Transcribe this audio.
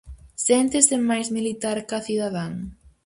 Séntese máis militar ca cidadán?